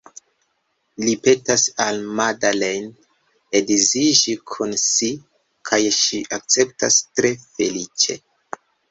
Li petas al Madeleine edziniĝi kun si, kaj ŝi akceptas tre feliĉe.